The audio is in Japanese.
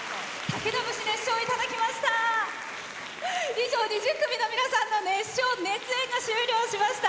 以上、２０組の皆さんの熱唱・熱演が終了しました。